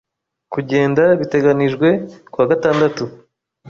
kugenda biteganijwe kuwa gatandatu